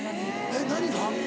えっ何が？